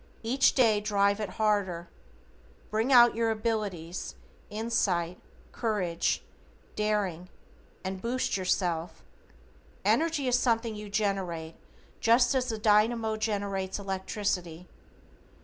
Each day drive it harder. Bring out your abilities, insight, courage, daring, and boost yourself. Energy is something you generate just as the dynamo generates electricity.